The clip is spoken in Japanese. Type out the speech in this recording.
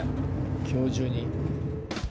今日中に。